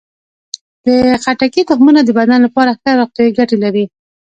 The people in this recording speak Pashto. د خټکي تخمونه د بدن لپاره ښه روغتیايي ګټې لري.